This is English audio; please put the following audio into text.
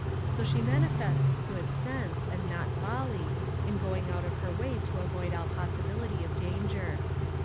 So she manifests good sense, and not folly, in going out of her way to avoid all possibility of danger.